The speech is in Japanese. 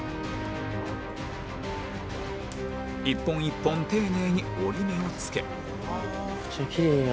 １本１本丁寧に折り目を付け